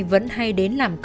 vẫn hay đến làm việc